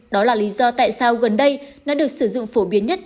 đó là lý do tại sao gần đây nó được sử dụng phổ biến nhất